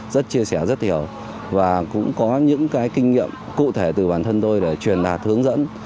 rất chia sẻ rất nhiều và cũng có những cái kinh nghiệm cụ thể từ bản thân tôi để truyền đạt hướng dẫn